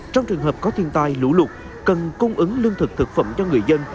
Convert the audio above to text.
trong trường hợp có thiên tai lũ lụt cần cung ứng lương thực thực phẩm cho người dân